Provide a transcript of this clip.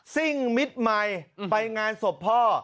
ซิ่งมิตรใหม่ไปงานศพพ่อ